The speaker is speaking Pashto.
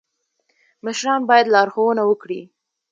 مشران باید لارښوونه وکړي